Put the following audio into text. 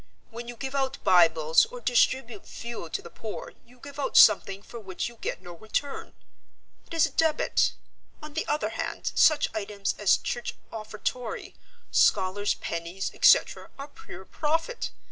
When you give out Bibles or distribute fuel to the poor you give out something for which you get no return. It is a debit. On the other hand, such items as Church Offertory, Scholars' Pennies, etc., are pure profit.